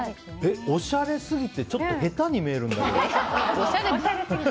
おしゃれすぎてちょっと下手に見えるんだけど。